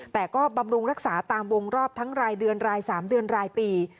แต่ก็บำรุงรักษาตามวงรอบทั้งรายเดือนราย๓เดือนรายปี